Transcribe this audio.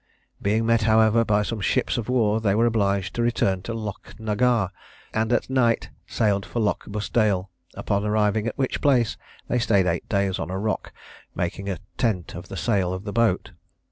Being met, however, by some ships of war, they were obliged to return to Lochagnart, and at night sailed for Lochbusdale; upon arriving at which place they staid eight days on a rock, making a tent of the sail of the boat.